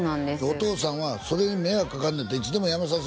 お父さんはそれに迷惑かかんねやったらいつでもやめさす